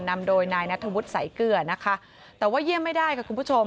นำโดยนายนัทธวุฒิสายเกลือนะคะแต่ว่าเยี่ยมไม่ได้ค่ะคุณผู้ชม